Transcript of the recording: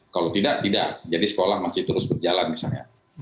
kalau tidak tidak jadi sekolah masih terus berjalan misalnya